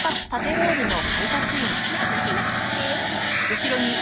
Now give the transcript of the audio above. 情けなくってよ。